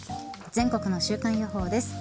全国の週間予報です。